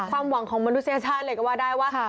ความหวังของมนุษยชาติเลยก็ว่าได้ว่า